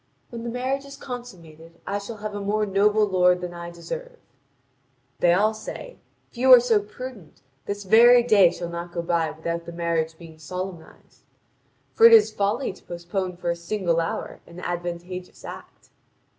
When the marriage is consummated, I shall have a more noble lord than I deserve." They all say: "If you are prudent, this very day shall not go by without the marriage being solemnised. For it is folly to postpone for a single hour an advantageous act."